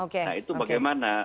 nah itu bagaimana